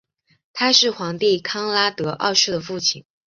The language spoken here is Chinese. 他是皇帝康拉德二世的父亲。